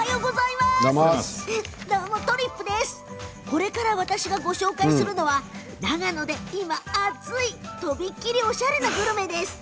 これから私がご紹介するのは長野で今熱いとびきりおしゃれなグルメです。